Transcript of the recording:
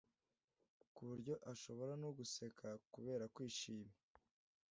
ku buryo ashobora no guseka kubera kwishima